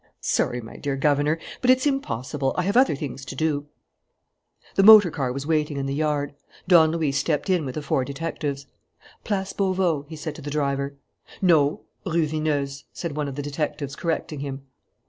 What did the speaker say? Sorry, my dear governor, but it's impossible. I have other things to do." A motor car was waiting in the yard. Don Luis stepped in with the four detectives: "Place Beauveau," he said to the driver. "No, Rue Vineuse," said one of the detectives, correcting him.